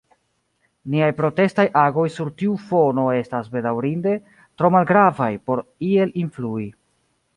Niaj protestaj agoj sur tiu fono estas, bedaŭrinde, tro malgravaj por iel influi.